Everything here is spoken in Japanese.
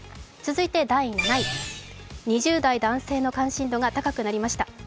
続いて第７位、２０代男性の関心度が高くなりました。